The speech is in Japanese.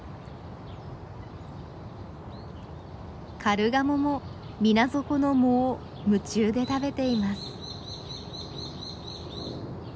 カルガモも水底の藻を夢中で食べています。